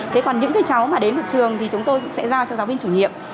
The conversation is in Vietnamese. thế còn những cái cháu mà đến được trường thì chúng tôi sẽ giao cho giáo viên chủng hiệp